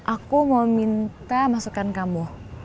aku mau minta masukan kamu